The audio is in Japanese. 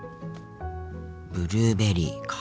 ブルーベリーか。